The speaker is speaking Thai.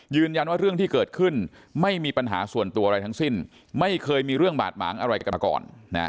เรื่องที่เกิดขึ้นไม่มีปัญหาส่วนตัวอะไรทั้งสิ้นไม่เคยมีเรื่องบาดหมางอะไรกันมาก่อน